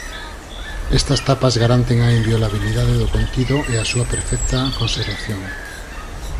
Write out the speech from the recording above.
Estas tapas garanten a inviolabilidade do contido e a súa perfecta conservación.